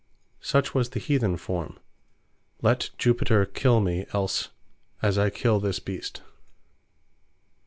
Such was the Heathen Forme, "Let Jupiter kill me else, as I kill this Beast."